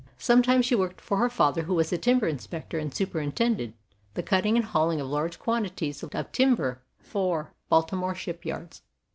Sometimes she worked for her father, who was a timber inspector and superintended the cutting and hauling of large quantities of timber for the Baltimore ship yards.